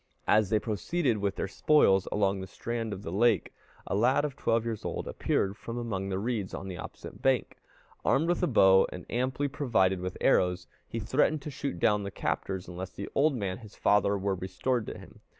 As they proceeded with their spoils along the strand of the lake, a lad of twelve years old appeared from among the reeds on the opposite bank, armed with a bow, and amply provided with arrows; he threatened to shoot down the captors unless the old man, his father, were restored to him.